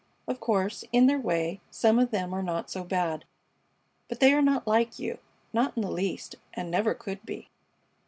Of course, in their way, some of them are not so bad; but they are not like you, not in the least, and never could be."